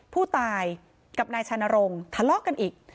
ผู้ตายกับนายชานรงค์ทะเลาะกันอีก